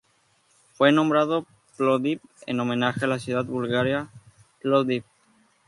Fue nombrado Plovdiv en homenaje a la ciudad búlgara Plovdiv.